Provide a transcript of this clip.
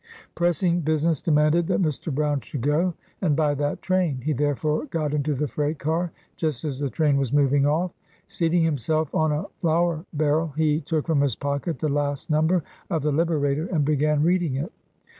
Pressing business demanded that Mr. Brown should go, and by that train; he therefore got into the freight car, just as the train was moving off. Seating himself on a flour barrel, he took from his pocket the last number of the Liberator , and began reading it.